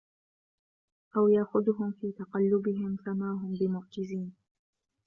أو يأخذهم في تقلبهم فما هم بمعجزين